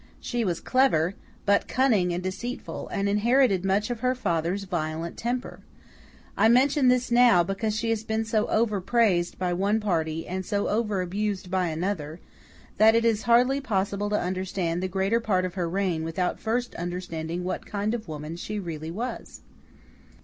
She was clever, but cunning and deceitful, and inherited much of her father's violent temper. I mention this now, because she has been so over praised by one party, and so over abused by another, that it is hardly possible to understand the greater part of her reign without first understanding what kind of woman she really was.